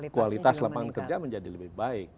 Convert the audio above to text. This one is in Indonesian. kualitas lapangan kerja menjadi lebih baik